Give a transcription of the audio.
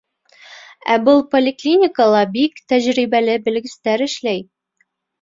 Ә был поликлиникала бик тәжрибәле белгестәр эшләй.